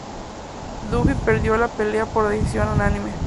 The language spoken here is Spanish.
Duffy perdió la pelea por decisión unánime.